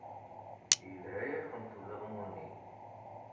Yelha-yakent ulaɣmu-nni.